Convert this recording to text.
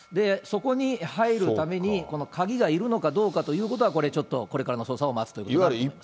そこに入るために、鍵がいるのかどうかということは、これ、ちょっとこれからの捜査を待つということです。